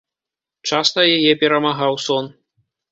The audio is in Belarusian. Часта яе перамагаў сон.